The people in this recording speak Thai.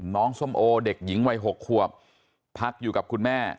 ส้มโอเด็กหญิงวัย๖ขวบพักอยู่กับคุณแม่